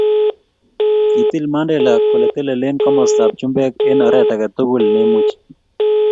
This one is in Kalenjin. kitil Mandela kole telelen komostab chumbek eng oret age tugul neimuchi